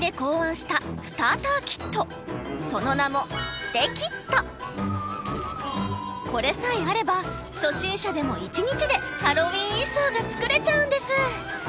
その名もこれさえあれば初心者でも１日でハロウィーン衣装が作れちゃうんです！